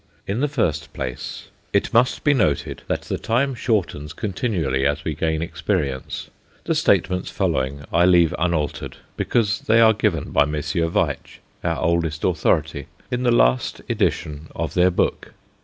In the first place, it must be noted that the time shortens continually as we gain experience. The statements following I leave unaltered, because they are given by Messrs. Veitch, our oldest authority, in the last edition of their book.